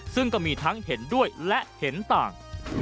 ซึ่งก็มีทั้งเห็นด้วยและเห็นต่าง